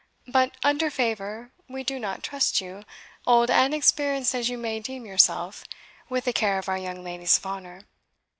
But, under favour, we do not trust you old and experienced as you may deem yourself with the care of our young ladies of honour.